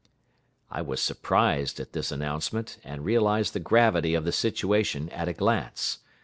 I was surprised at this announcement, and realized the gravity of the situation at a glance.